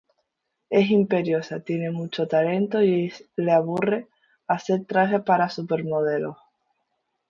Es imperiosa, tiene mucho talento, y le aburre hacer trajes para supermodelos.